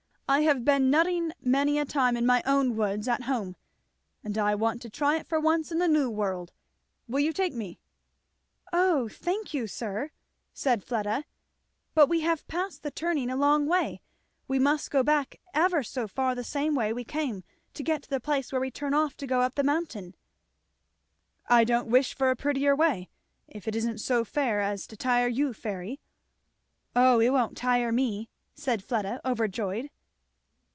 I have been a nutting many a time in my own woods at home, and I want to try it for once in the New World. Will you take me?" "O thank you, sir!" said Fleda, "but we have passed the turning a long way we must go back ever so far the same way we came to get to the place where we turn off to go up the mountain." "I don't wish for a prettier way, if it isn't so far as to tire you, Fairy?" "Oh it won't tire me!" said Fleda overjoyed.